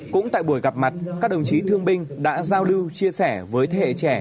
cũng tại buổi gặp mặt các đồng chí thương binh đã giao lưu chia sẻ với thế hệ trẻ